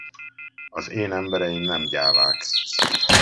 Az én embereim nem gyávák!